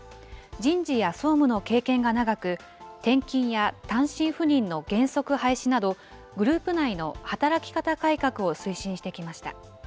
人事や総務の経験が長く、転勤や単身赴任の原則廃止など、グループ内の働き方改革を推進してきました。